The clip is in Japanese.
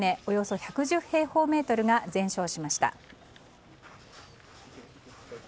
およそ１１０平方メートルが全焼しました。